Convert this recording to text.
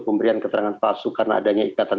pemberian keterangan palsu karena adanya ikatan